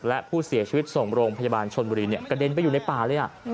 และผู้เสียชีวิตส่งโรงพยาบาลชนบุรีกระเด็นไปอยู่ในป่าเลย